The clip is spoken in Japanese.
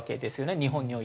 日本において。